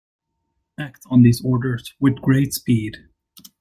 Act on these orders with great speed.